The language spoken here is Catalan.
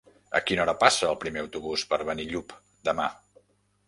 A quina hora passa el primer autobús per Benillup demà?